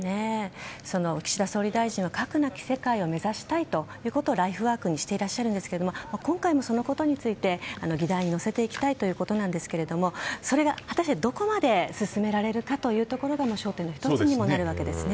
岸田総理大臣は核兵器のない世界を目指したいということをライフワークにしていらっしゃいますが今回もそのことについて議題に乗せていきたいということですがそれが果たしてどこまで進められるかというところが焦点の１つにもなるわけですね。